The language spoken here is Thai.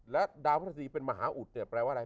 และดาวพระราชดีเป็นมหาอุดเนี่ยแปลว่าอะไร